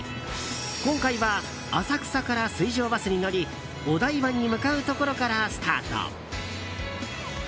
今回は浅草から水上バスに乗りお台場に向かうところからスタート。